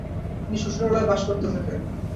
তিনি শ্বশুরালয়ে বাস করতে থাকেন।